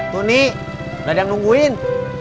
tunik ladang nungguin